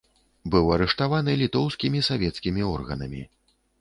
Быў арыштаваны літоўскімі савецкімі органамі.